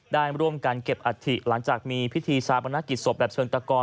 ได้ร่วมกันเก็บอัฐิหลังจากมีพิธีชาปนกิจศพแบบเชิงตะกอน